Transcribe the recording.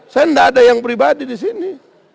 saya tidak ada yang pribadi di sini